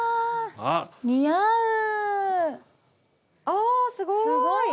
あすごい！